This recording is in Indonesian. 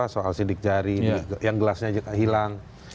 soal sidik jari yang gelasnya hilang